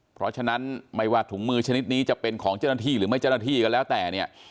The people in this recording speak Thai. เพราะฉะนั้นไม่ว่าถุงมือชนิดนี้จะเป็นของเจ้าหน้าที่หรือไม่เจ้าหน้าที่ก็แล้วแต่เนี่ย